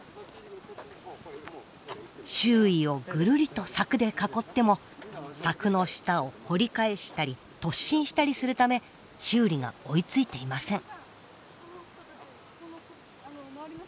周囲をぐるりと柵で囲っても柵の下を掘り返したり突進したりするため修理が追いついていません。